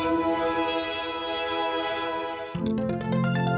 ทำไมทำไม